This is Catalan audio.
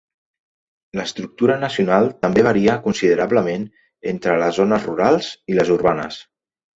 L'estructura nacional també varia considerablement entre les zones rurals i les urbanes.